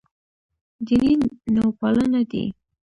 دیني نوپالنه دی.